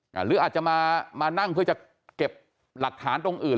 หรืออาจจะมามานั่งเพื่อจะเก็บหลักฐานตรงอื่น